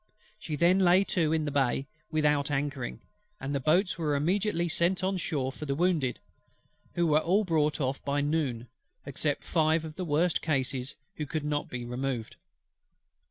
She then lay to in the bay without anchoring, and the boats were immediately sent on shore for the wounded; who were all brought off by noon, except five of the worst cases who could not be removed.